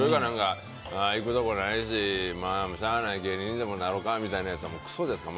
行くところないししゃあない、芸人にでもなろうかみたいなやつはくそですから。